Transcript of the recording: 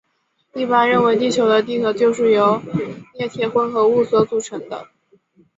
一般认为地球的地核就是由镍铁混合物所组成的。